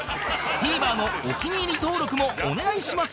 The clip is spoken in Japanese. ＴＶｅｒ のお気に入り登録もお願いします！